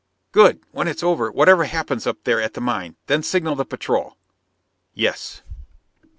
"Good! When it's over, whatever happens up there at the mine, then signal the patrol." "Yes."